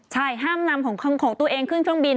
ใช่ห้ามนำของตัวเองขึ้นเครื่องบิน